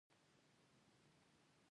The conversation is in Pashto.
کله چې تاسې د شتمن کېدو لپاره فکر کوئ.